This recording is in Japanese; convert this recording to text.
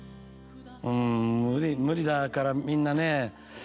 うん無理だからみんなね。